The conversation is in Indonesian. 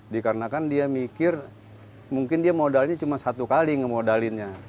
dikarenakan dia mikir mungkin dia modalnya cuma satu kali ngemodalinnya